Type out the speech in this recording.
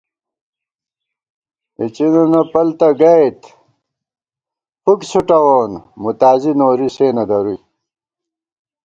اِڅِننہ پل تہ گئیت فُک څُھوٹَوون، موتازی نوری سےنہ درُوئی